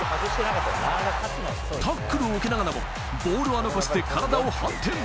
タックルを受けながらも、ボールは残して体を反転。